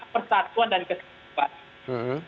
persatuan dan kesempatan